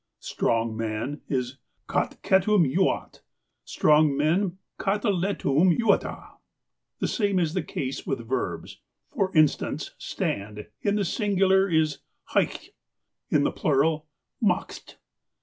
"" Strong man " is " katketum youat ;" strong men, " katleletum youatah." The same is the case with the verbs. For instance, "stand" in the singular is "hightk" ; in the plural *' makst.